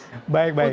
enggak ada yang pedes